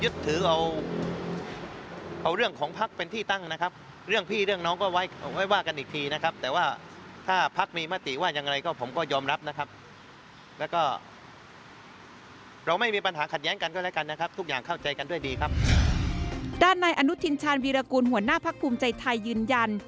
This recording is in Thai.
ด้านนายอนุทินชาญวีรกูลหัวหน้าพักภูมิใจไทยยืนยัน